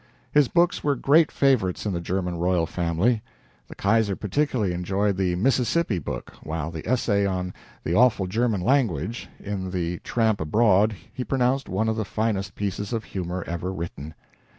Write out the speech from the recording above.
His books were great favorites in the German royal family. The Kaiser particularly enjoyed the "Mississippi" book, while the essay on "The Awful German Language," in the "Tramp Abroad," he pronounced one of the finest pieces of humor ever written.